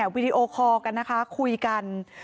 วีดีโอคอลกันนะคะคุยกัน